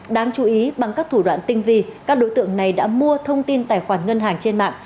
đáng chú ý bằng các thủ đoạn tinh vi các đối tượng này đã mua thông tin tài khoản ngân hàng trên mạng